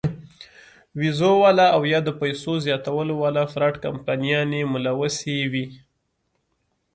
وېزو واله او يا د پېسو زياتولو واله فراډ کمپنيانې ملوثې وي -